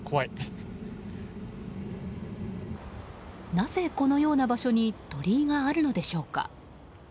なぜこのような場所に鳥居があるのでしょうか。